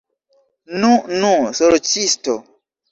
Nu, nu, sorĉisto!